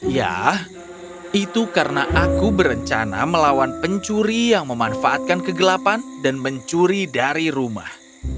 ya itu karena aku berencana melawan pencuri yang memanfaatkan kegelapan dan mencuri dari rumah